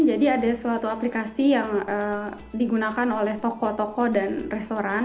jadi ada suatu aplikasi yang digunakan oleh toko toko dan restoran